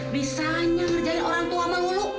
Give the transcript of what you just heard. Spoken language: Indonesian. bisanya ngerjain orang tua melulu